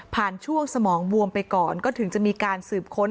ช่วงสมองบวมไปก่อนก็ถึงจะมีการสืบค้น